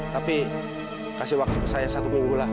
tapi kasih waktu ke saya satu minggu lah